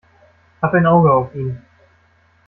Hab ein Auge auf ihn.